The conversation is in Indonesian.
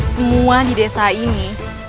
semua di desa ini